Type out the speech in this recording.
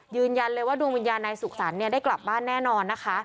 ยืนยันเลยว่าดวงวิญญาณนายสุขสรรค์ได้กลับบ้านแน่นอนนะคะ